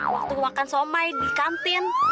waktu makan somai di kantin